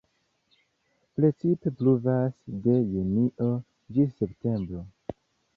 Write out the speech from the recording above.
Precipe pluvas de junio ĝis septembro.